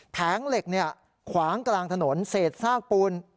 แผงเหล็กขวางกลางถนนเศษซากปูน